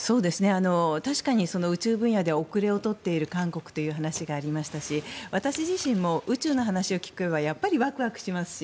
確かに宇宙分野で後れを取っている韓国という話がありましたし私自身も宇宙の話を聞けばやっぱりワクワクしますし